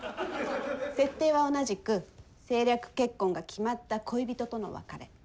設定は同じく政略結婚が決まった恋人との別れ。